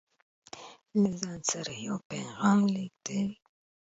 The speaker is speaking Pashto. له ځان سره يو پيغام لېږدوي